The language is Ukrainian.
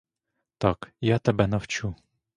Так я тебе навчу.